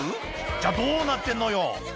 じゃあどうなってんのよ